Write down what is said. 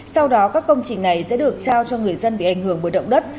sau đó các công trình này sẽ được trao cho người dân bị ảnh hưởng bởi động đất